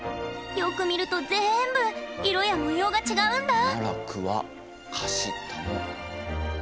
よく見ると全部色や模様が違うんだ！